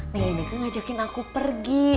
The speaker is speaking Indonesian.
neng ineke ngajakin aku pergi